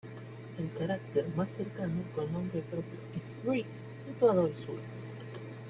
El cráter más cercano con nombre propio es Briggs, situado al sur.